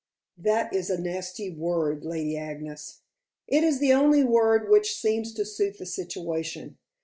"That is a nasty word, Lady Agnes." "It is the only word which seems to suit the situation.